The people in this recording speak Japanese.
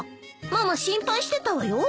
ママ心配してたわよ。